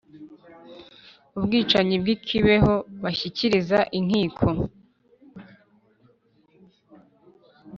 ubwicanyi bw'i kibeho bashyikiriza inkiko.